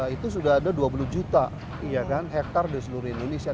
itu sudah ada dua puluh juta ya kan hektar di seluruh indonesia